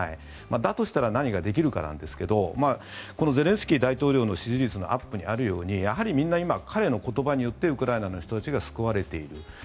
としたら何ができるかなんですがゼレンスキー大統領の支持率のアップにあるようにやはりみんな今彼の言葉によってウクライナの人々が救われている。